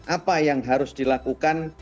apa yang harus dilakukan